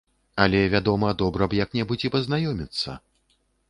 Але, вядома, добра б як-небудзь і пазнаёміцца.